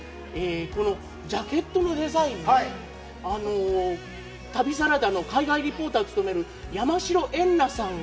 このジャケットのデザインも、旅サラダの海外リポーターを務める山代エンナさんが。